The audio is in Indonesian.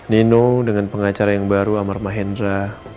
nino dengan pengacara yang baru amar mahendra